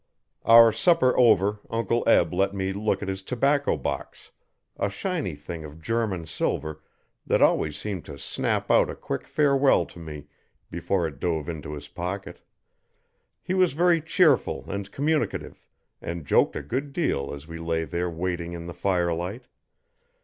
Our supper over, Uncle Eb let me look at his tobacco box a shiny thing of German silver that always seemed to snap out a quick farewell to me before it dove into his pocket. He was very cheerful and communicative, and joked a good deal as we lay there waiting in the firelight.